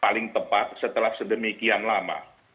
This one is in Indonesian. paling tepat setelah sedemikian lama